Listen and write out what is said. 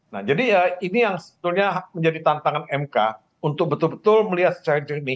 nah jadi ya ini yang sebetulnya menjadi tantangan mk untuk betul betul melihat secara jernih